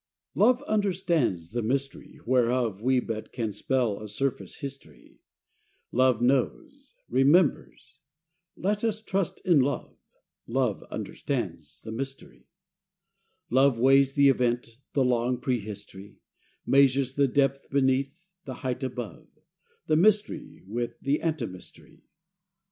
T OVE understands the mystery, whereof We can but spell a surface history: Love knows, remembers : let us trust in Love: Love understands the mystery. Love weighs the event, the long pre history, Measures the depth beneath, the height above, The mystery, with the ante mystery. 152 FROM QUEENS' GARDENS.